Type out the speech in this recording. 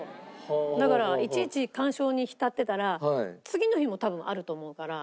だからいちいち感傷に浸ってたら次の日も多分あると思うから。